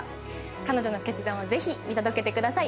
彼女の決断をぜひ見届けてください。